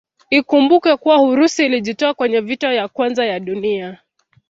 Ikumbukwe kuwa Urusi ilijitoa kwenye vita ya kwanza ya dunia